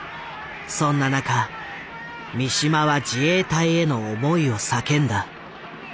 そんな中三島は自衛隊への思いを叫んだ。